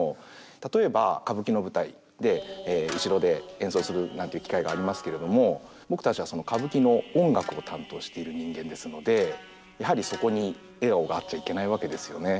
例えば歌舞伎の舞台で後ろで演奏するなんていう機会がありますけれども僕たちはやはりそこに笑顔があっちゃいけないわけですよね。